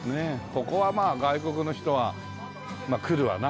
ここはまあ外国の人はまあ来るわな。